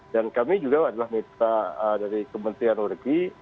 dan kami juga adalah menteri dari kementerian orgi